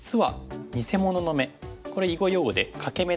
これ囲碁用語で「欠け眼」と。